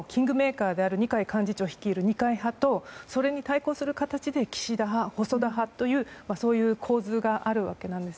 それは現政権のキングメーカーである二階幹事長率いる二階派とそれに対抗する形で岸田派、細田派という構図があるわけなんです。